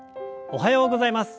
おはようございます。